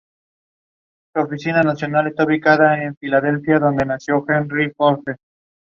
Butters repele a los vampiros con un crucifijo antes de huir.